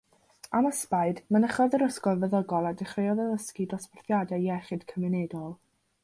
Am ysbaid, mynychodd yr ysgol feddygol a dechreuodd addysgu dosbarthiadau iechyd cymunedol.